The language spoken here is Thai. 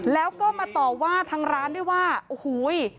แล้วก็มาต่อว่าทางร้านด้วยว่าโอ้โห